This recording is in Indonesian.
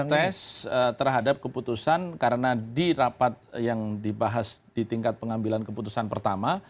protes terhadap keputusan karena di rapat yang dibahas di tingkat pengambilan keputusan pertama